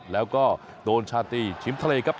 แล้วก็โดนชาตรีชิมทะเลครับ